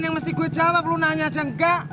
yang mesti gue jawab lu nanya aja enggak